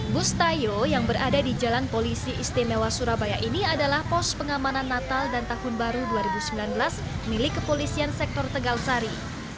bus tayo yang berada di jalan polisi istimewa surabaya ini adalah pos pengamanan natal dan tahun baru dua ribu sembilan belas milik kepolisian sektor tegal sari